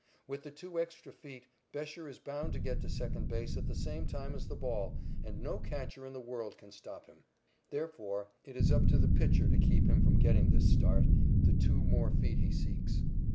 With the two extra feet, Bescher is bound to get to second base at the same time as the ball, and no catcher in the world can stop him. Therefore, it is up to the pitcher to keep him from getting this start the two more feet he seeks.